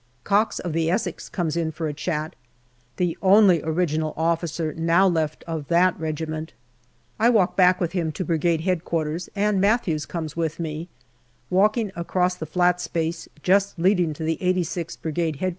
Cox, of the Essex, comes in for a chat, the only original officer now left of that regiment. I walk back with him to Brigade H.Q., and Matthews comes with me. Walking across the flat space just leading to the 86th Brigade H.Q.